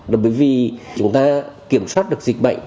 bởi vì chúng ta kiểm soát được dịch bệnh